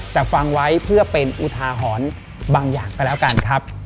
แต่ฟังไว้เพื่อเป็นอุทาหรณ์บางอย่างก็แล้วกันครับ